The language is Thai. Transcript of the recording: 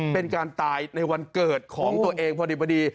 เป็นการตายในวันเกิดของตัวเองพอดี